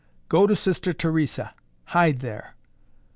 Go to Sister Theresa. Hide there."